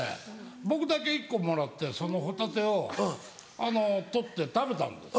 僕だけ１個もらってそのホタテを取って食べたんです。